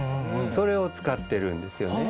それを使ってるんですよね。